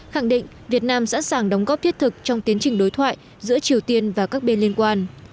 khẳng định việt nam sẵn sàng đóng góp thiết thực trong tiến trình đối thoại giữa triều tiên và các bên liên quan